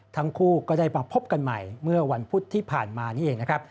ทั้งคู่ก็ได้มาพบกันใหม่เมื่อวันพุธที่ผ่านมานี่เองนะครับ